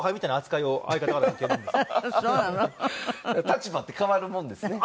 立場って変わるもんですね。